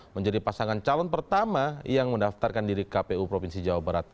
menjadi pasangan calon pertama yang mendaftarkan diri kpu provinsi jawa barat